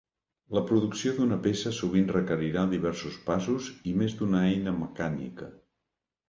La producció d'una peça sovint requerirà diversos passos i més d'una eina mecànica.